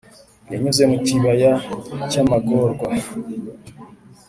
yanyuze mu kibaya cy'amagorwa,